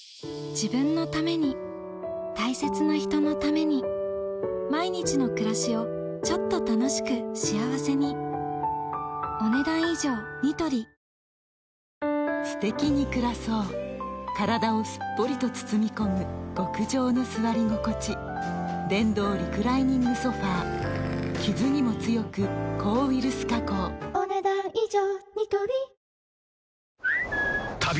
自分のために大切な人のために毎日の暮らしをちょっと楽しく幸せにすてきに暮らそう体をすっぽりと包み込む極上の座り心地電動リクライニングソファ傷にも強く抗ウイルス加工お、ねだん以上。